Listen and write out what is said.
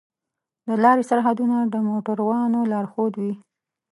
د لارې سرحدونه د موټروانو لارښود وي.